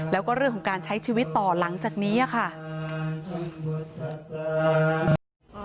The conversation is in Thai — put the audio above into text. แล้วก็เรื่องของการใช้ชีวิตต่อหลังจากนี้ค่ะ